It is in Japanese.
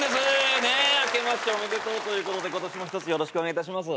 あけましておめでとうということで今年もひとつよろしくお願いいたします。